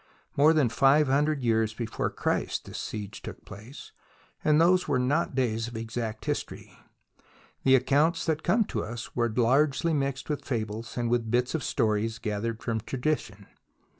More than five hundred years before Christ this siege took place, and those were not days of exact history. The accounts that come to us were largely mixed with fables and with bits of stories gathered from tradition.